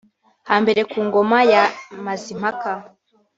Hambere ku ngoma ya Mazimpaka